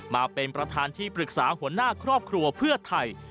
มาเป็นประธานที่ปรึกษาหัวหน้าครอบครัวเพื่อไทย